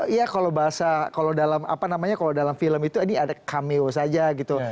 ya kalau dalam film itu ini ada cameo saja gitu